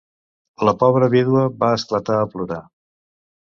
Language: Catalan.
La pobra vídua va esclatar a plorar.